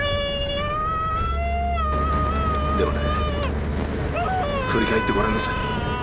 でもね振り返ってごらんなさい。